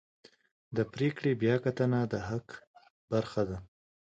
د پرېکړې بیاکتنه د حق برخه ده.